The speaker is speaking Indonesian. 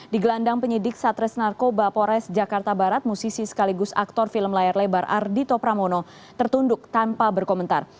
di gelandang penyidik satres narkoba pores jakarta barat musisi sekaligus aktor film layar lebar ardhito pramono tertunduk tanpa berkomentar